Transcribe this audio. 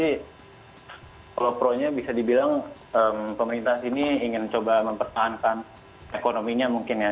kalau pro nya bisa dibilang pemerintah sini ingin coba mempertahankan ekonominya mungkin ya